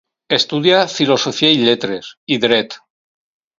Estudià Filosofia i Lletres, i Dret.